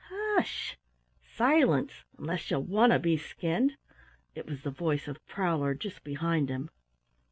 "Hush! Silence 'nless ye want to be skinned!" It was the voice of Prowler just behind him.